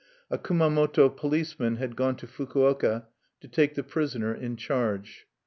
A Kumamoto policeman had gone to Fukuoka to take the prisoner in charge.